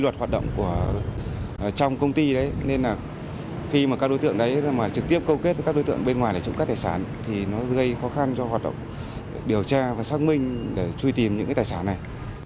hoạt động trong công ty đấy nên là khi mà các đối tượng đấy mà trực tiếp câu kết với các đối tượng bên ngoài để trộm cắp tài sản thì nó gây khó khăn cho hoạt động điều tra và xác minh để truy tìm những cái tài sản này